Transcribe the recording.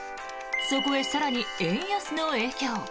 そこへ更に円安の影響。